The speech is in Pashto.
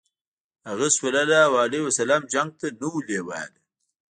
هغه ﷺ جنګ ته نه و لېواله.